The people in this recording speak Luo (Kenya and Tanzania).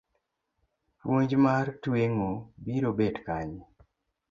Puonj mar tweng'o biro bet kanye?